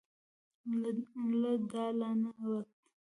له دالانه ووت.